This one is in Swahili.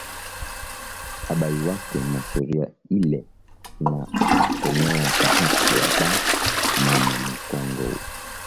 Abayuwake ma sheria ile ina semeya pa haki ya ba mama mu kongo